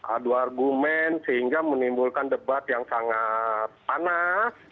adu argumen sehingga menimbulkan debat yang sangat panas